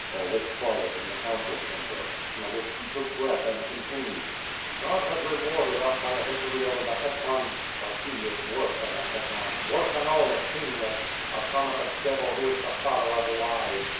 AH was quiet in the council chamber. Khmyelnitski took breath and continued: 330 ^^^^^^^^^^^ SWORD. ^*God has rewarded us by a victory over the hetmans; but he is worse than the hetmans, worse than all the kinglets, a son of the devil who is the Father of lies.